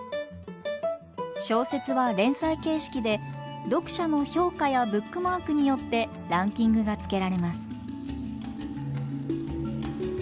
小説は連載形式で読者の評価やブックマークによってランキングがつけられます。